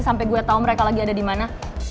sampai gue tau mereka lagi ada di mana